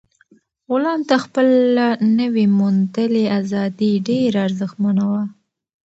غلام ته خپله نوي موندلې ازادي ډېره ارزښتمنه وه.